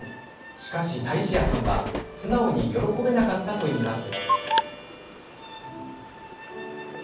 しかし、タイシアさんは素直に喜べなかったといいます。